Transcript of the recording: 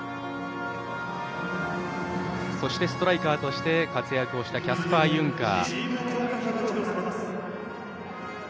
そしてストライカーとして活躍したキャスパー・ユンカー。